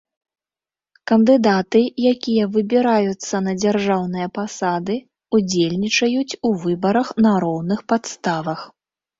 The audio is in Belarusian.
Кандыдаты, якія выбіраюцца на дзяржаўныя пасады, удзельнічаюць у выбарах на роўных падставах.